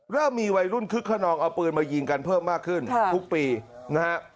เริ่มมีวัยรุ่นคึกขนองเอาปืนมายิงกันเพิ่มมากขึ้นทุกปีนะฮะ